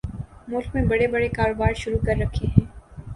ملک میں بڑے بڑے کاروبار شروع کر رکھے ہیں